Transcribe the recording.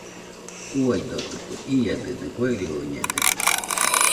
Uaidotɨkue, iadedɨ fairioñede.